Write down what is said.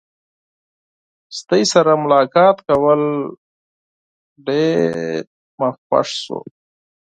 ستاسو سره ملاقات کول ډیر خوښ شو.